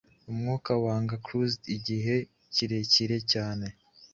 Umwuka wanga-cursèd igihe kirekire cyane